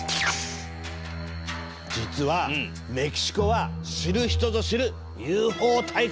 実はメキシコは知る人ぞ知るＵＦＯ大国！